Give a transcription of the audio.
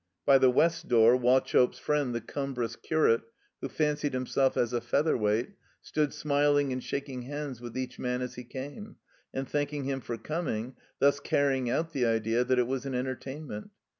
By the west door, Wauchope's friend, the cumbrous curate, who fan cied himself as a featherweight, stood smiling and shaking hands with each man as he came, and thank ing him for coming, thus carrying out the idea that it was an entertainment.